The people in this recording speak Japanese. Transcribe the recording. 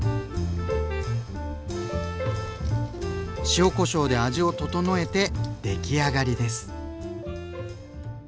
塩こしょうで味を調えて出来上がりです。